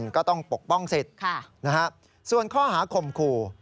ก็ต้องปกป้องสิทธิ์ส่วนข้อหาข่มขู่